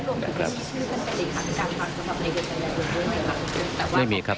ต้องถามท่านต้องถามครับ